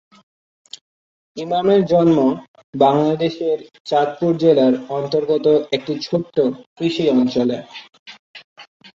ইমামের জন্ম বাংলাদেশের চাঁদপুর জেলার অন্তর্গত একটি ছোট কৃষিঅঞ্চলে।